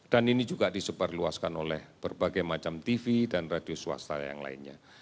dan ini juga disebarluaskan oleh berbagai macam tv dan radio swasta yang lainnya